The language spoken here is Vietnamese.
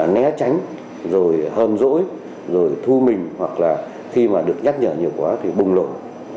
né tránh rồi hờm rỗi rồi thu mình hoặc là khi mà được nhắc nhở nhiều quá thì bùng lộ